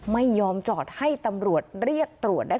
ไม่ยอมจอดให้ตำรวจเรียกตรวจ